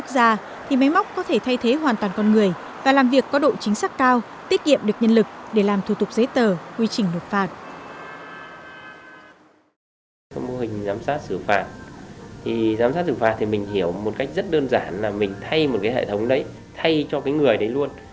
giám sát xử phạt thì giám sát xử phạt thì mình hiểu một cách rất đơn giản là mình thay một cái hệ thống đấy thay cho cái người đấy luôn